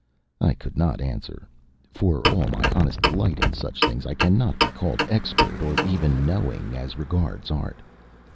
I could not answer. For all my honest delight in such things, I cannot be called expert or even knowing as regards art.